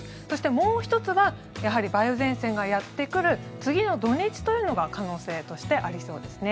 もう１つはやはり梅雨前線がやってくる次の土日というのが可能性としてありそうですね。